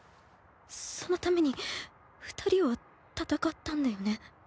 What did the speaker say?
そのために二人は戦ったんだよね？